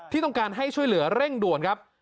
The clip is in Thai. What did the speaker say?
ที่ต้องการให้ช่วยเหลือเร่งด่วนครับ